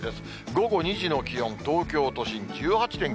午後２時の気温、東京都心１８．９度。